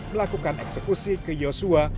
melakukan eksekusi ke joshua